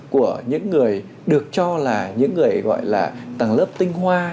của những người được cho là những người gọi là tầng lớp tinh hoa